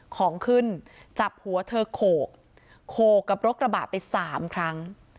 ของขึ้นจับหัวเธอโขกโขกกับรถกระบะไป๓ครั้ง